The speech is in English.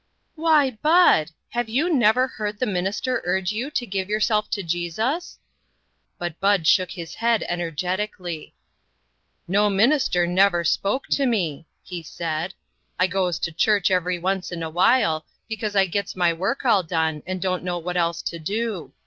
" Why, Bud ! have you never heard the minister urge you to give yourself to Jesus ?" But Bud shook his head energetically. "No minister never spoke to me," he said. "I goes to church every once in a while, because I gets my work all done, and don't know what else to do.